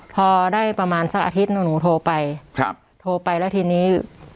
พอได้ประมาณสักอาทิตย์หนูหนูโทรไปครับโทรไปแล้วทีนี้